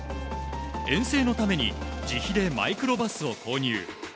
遠征のために自費でマイクロバスを購入。